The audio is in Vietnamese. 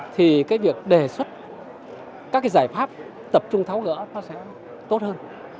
thì cái việc đề xuất các cái giải pháp tập trung tháo gỡ nó sẽ tốt hơn